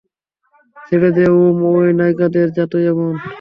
ছেড়ে দে ওম, এই নাইকাদের জাতই এমন।